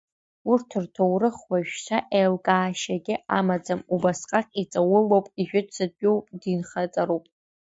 Урҭ рҭоурых уажәшьҭа еилкаашьагьы амаӡам убасҟак иҵаулоуп, ижәытәӡатәиу динхаҵароуп.